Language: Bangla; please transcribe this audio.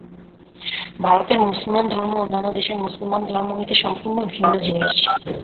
ভারতের মুসলমান ধর্ম অন্যান্য দেশের মুসলমান ধর্ম হইতে সম্পূর্ণ ভিন্ন জিনিষ।